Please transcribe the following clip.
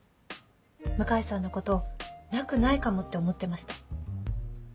向井さんのことなくないかもって思ってました。